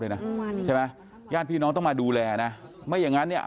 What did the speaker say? แต่ชะบ้านบอกว่าเอาล่ะคุมตัวไปรอบนี้เนี่ย